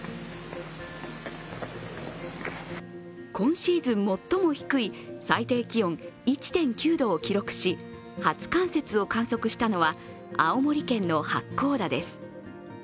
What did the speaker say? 今シーズン最も低い最低気温１．９度を記録し初冠雪を観測したのは青森県の八甲田です。